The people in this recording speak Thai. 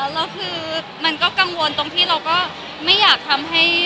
แล้วคือมันก็กังวลตรงที่เราก็ไม่อยากทำให้